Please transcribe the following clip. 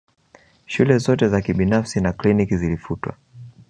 Shule zote za kibinafsi na kliniki zilifutwa